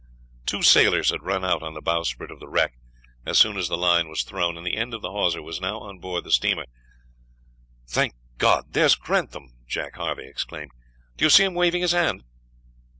Two sailors had run out on the bowsprit of the wreck as soon as the line was thrown, and the end of the hawser was now on board the steamer. "Thank God, there's Grantham!" Jack Harvey exclaimed; "do you see him waving his hand?"